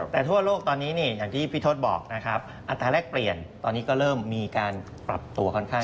แต่ทั่วโลกตอนนี้เนี่ยอย่างที่พี่ทศบอกนะครับอัตราแรกเปลี่ยนตอนนี้ก็เริ่มมีการปรับตัวค่อนข้าง